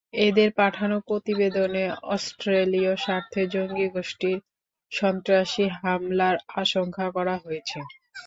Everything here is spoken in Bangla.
এঁদের পাঠানো প্রতিবেদনে অস্ট্রেলীয় স্বার্থে জঙ্গি গোষ্ঠীর সন্ত্রাসী হামলার আশঙ্কা করা হয়েছে।